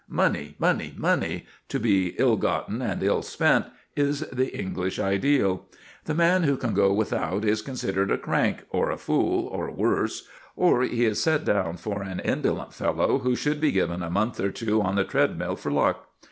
Money, money, money, to be ill gotten and ill spent, is the English ideal. The man who can go without is considered a crank or a fool or worse, or he is set down for an indolent fellow who should be given a month or two on the treadmill for luck.